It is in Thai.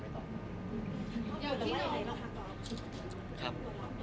คำถามก็ไม่ตอบ